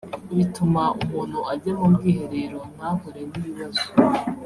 bituma umuntu ajya mu bwiherero ntahure n'ibibazo